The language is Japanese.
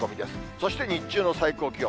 そして日中の最高気温。